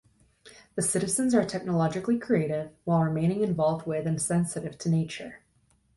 The citizens are technologically creative, while remaining involved with and sensitive to nature.